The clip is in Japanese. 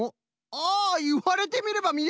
あ！いわれてみればみえるみえる！